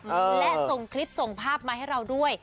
และส่งคลิปส่งภาพมาให้เราด้วย